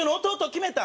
決めた！」